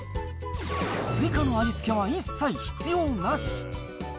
追加の味付けは一切必要なし。